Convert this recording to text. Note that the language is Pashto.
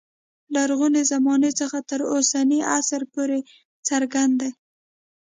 لرغونې زمانې څخه تر اوسني عصر پورې څرګند دی.